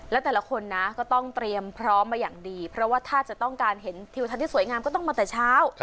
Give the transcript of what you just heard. และแต่ละคนนะก็ต้องเตรียมพร้อมมาอย่างดีเพราะว่าถ้าจะต้องการเห็นทิวทันที่สวยงามก็ต้องมาแต่เช้า